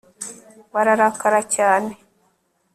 bararakara cyane